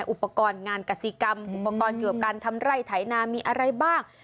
อุปกรณ์งานกษีกรรมอุปกรณ์เกี่ยวกับการทำไร่ไถนามีอะไรบ้าง